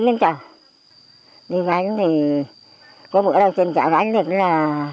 đi gánh thì có bữa nào trên chợ gánh nước là